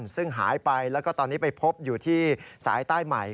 ซึ่งหายไปแล้วก็ตอนนี้ไปพบอยู่ที่สายใต้ใหม่